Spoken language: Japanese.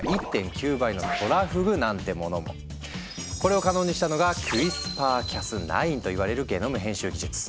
他にもこれを可能にしたのがクリスパー・キャスナインといわれるゲノム編集技術。